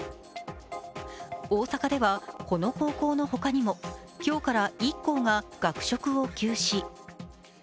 大阪ではこの高校のほかにも今日から１校が学食を休止。